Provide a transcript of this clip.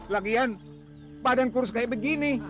lagian badan kurus kayak begini